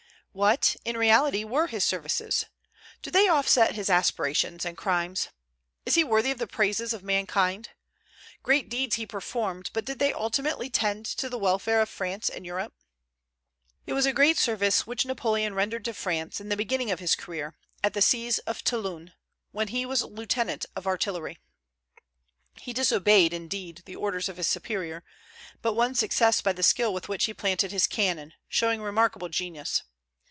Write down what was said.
What, in reality, were his services? Do they offset his aspirations and crimes? Is he worthy of the praises of mankind? Great deeds he performed, but did they ultimately tend to the welfare of France and of Europe? It was a great service which Napoleon rendered to France, in the beginning of his career, at the siege of Toulon, when he was a lieutenant of artillery. He disobeyed, indeed, the orders of his superiors, but won success by the skill with which he planted his cannon, showing remarkable genius.